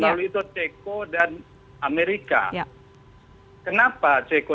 lalu itu ceko dan amerika kenapa ceko